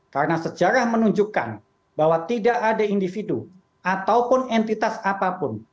karena sejarah menunjukkan bahwa tidak ada individu ataupun entitas apapun